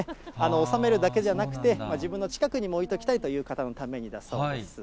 納めるだけじゃなくて、自分の近くにも置いておきたいという方のためだそうです。